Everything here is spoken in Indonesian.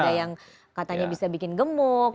ada yang katanya bisa bikin gemuk